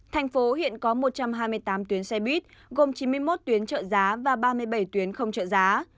thành phố hiện có một trăm hai mươi tám tuyến xe buýt gồm chín mươi một tuyến trợ giá và ba mươi bảy tuyến không trợ giá